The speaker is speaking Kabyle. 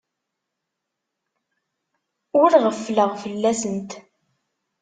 Ur ɣeffleɣ fell-asent.